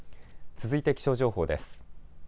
続いて気象情報です。